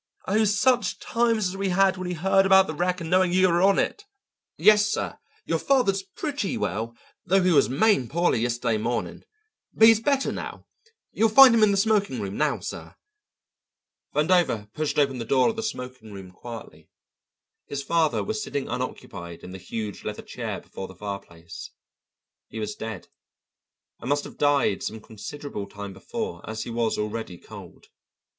Oh, such times as we had when we heard about the wreck and knowing you were on it! Yes, sir, your father's pretty well, though he was main poorly yesterday morning. But he's better now. You'll find him in the smoking room now, sir." Vandover pushed open the door of the smoking room quietly. His father was sitting unoccupied in the huge leather chair before the fireplace. He was dead, and must have died some considerable time before, as he was already cold.